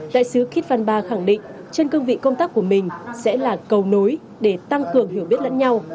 đại sứ kitvan ba khẳng định trên cương vị công tác của mình sẽ là cầu nối để tăng cường hiểu biết lẫn nhau